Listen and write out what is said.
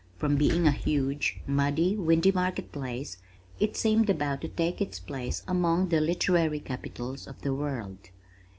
From being a huge, muddy windy market place, it seemed about to take its place among the literary capitals of the world.